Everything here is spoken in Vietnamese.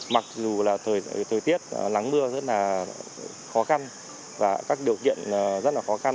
mặc dù là thời tiết lắng mưa rất là khó khăn và các điều kiện rất là khó khăn